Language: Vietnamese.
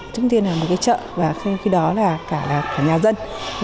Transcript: trước tiên là một cái chợ và sau khi đó là cả nhà dân